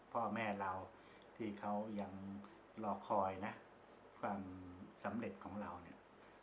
พ่อแม่เราที่เขายังรอคอยนะความสำเร็จของเราเนี่ย